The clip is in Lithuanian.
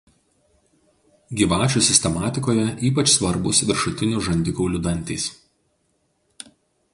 Gyvačių sistematikoje ypač svarbūs viršutinių žandikaulių dantys.